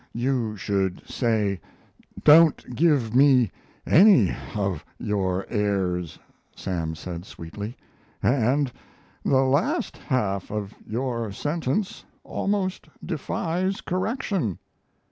"You should say, 'Don't give me any of your airs,'" Sam said, sweetly, "and the last half of your sentence almost defies correction."